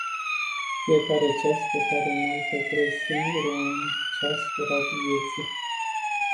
Fiecare ceas pe care nu-l petreci singur e un ceasfurat vieții.